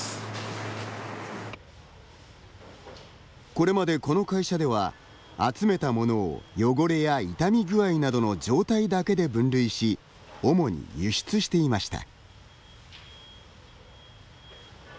これまでこの会社では集めたものを汚れや傷み具合などの状態だけで分類し、主に輸出していました。